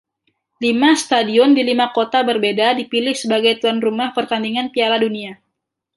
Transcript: Lima stadion di lima kota berbeda dipilih sebagai tuan rumah pertandingan Piala Dunia.